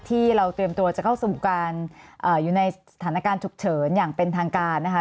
ที่เราเตรียมตัวจะเข้าสู่การอยู่ในสถานการณ์ฉุกเฉินอย่างเป็นทางการนะคะ